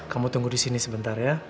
kamu tunggu di sini sebentar ya